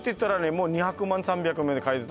もう２００万３００万で買えてた